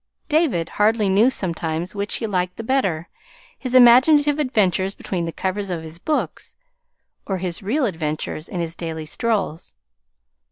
David hardly knew sometimes which he liked the better, his imaginative adventures between the covers of his books or his real adventures in his daily strolls.